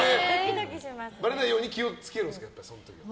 ばれないように気を付けるんですか、その時は。